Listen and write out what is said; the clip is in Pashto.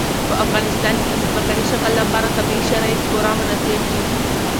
په افغانستان کې د ځمکني شکل لپاره طبیعي شرایط پوره مناسب دي.